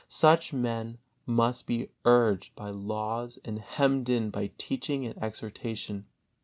Such men must be urged by laws and hemmed in by teaching and exhortation.